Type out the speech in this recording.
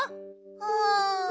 うん。